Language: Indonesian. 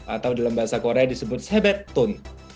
atau dalam bahasa korea disebut sebetun